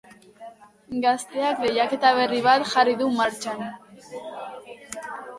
Gazteak lehiaketa berri bat jarri du martxan.